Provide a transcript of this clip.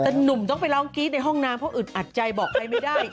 แต่หนุ่มต้องไปร้องกรี๊ดในห้องน้ำเพราะอึดอัดใจบอกใครไม่ได้